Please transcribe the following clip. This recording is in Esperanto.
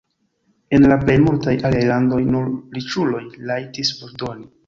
En la plej multaj aliaj landoj nur riĉuloj rajtis voĉdoni.